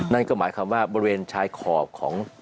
นั่นก็หมายความว่าบริเวณชายขอบของ